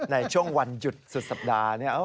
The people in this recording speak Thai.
ในช่วงวันหยุดสุดสัปดาห์